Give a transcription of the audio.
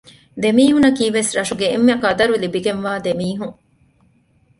ދެ މީހުންނަކީވެސް ރަށުގެ އެންމެންގެ ޤަދަރު ލިބިގެންވާ ދެމީހުން